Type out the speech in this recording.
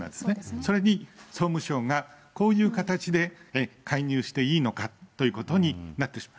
それに総務省がこういう形で介入していいのかということになってしまう。